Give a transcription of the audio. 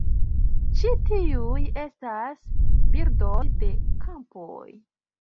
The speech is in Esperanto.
Ĉi tiuj estas birdoj de kampoj.